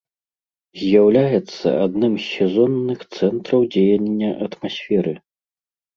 З'яўляецца адным з сезонных цэнтраў дзеяння атмасферы.